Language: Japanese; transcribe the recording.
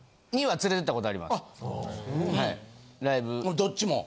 どっちも？